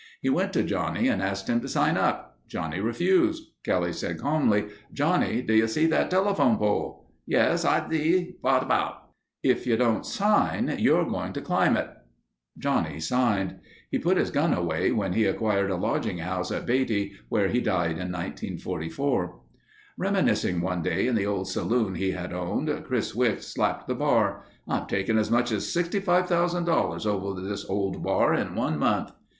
He went to Johnny and asked him to sign up. Johnny refused. Kelly said calmly, "Johnny, do you see that telephone pole?" "Yes, I see. Vot about?" "If you don't sign, you're going to climb it." Johnny signed. He put his gun away when he acquired a lodging house at Beatty, where he died in 1944. Reminiscing one day in the old saloon he had owned, Chris Wichts slapped the bar: "I've taken as much as $65,000 over this old bar in one month."